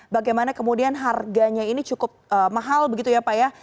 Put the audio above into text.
bagaimana kemudian harganya ini cukup mahal begitu ya pak ya